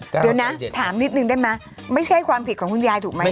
เดี๋ยวนะถามนิดนึงได้ไหมไม่ใช่ความผิดของคุณยายถูกไหม